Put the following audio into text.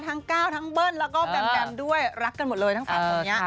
ทั้งก้าวทั้งเบิ้ลแล้วก็แบมด้วยรักกันหมดเลยทั้งฝ่ายผมเนี่ย